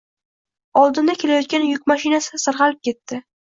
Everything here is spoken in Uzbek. Oldinda kelayotgan yuk mashinasi sirgʻalib ketdi